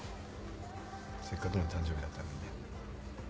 せっかくの誕生日だったのにね。